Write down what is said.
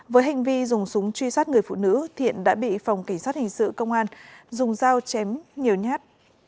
với hành vi dùng súng truy sát người phụ nữ thiện đã bị phòng cảnh sát hình sự công an dùng dao chém nhiều nhát